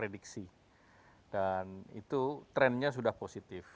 dan itu trennya sudah positif